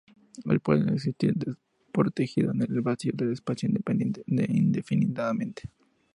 Él puede existir desprotegido en el vacío del espacio indefinidamente.